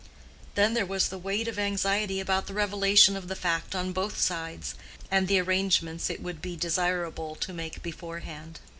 Then there was the weight of anxiety about the revelation of the fact on both sides, and the arrangements it would be desirable to make beforehand.